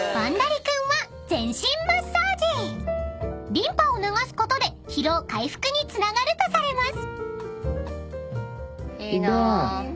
［リンパを流すことで疲労回復につながるとされます］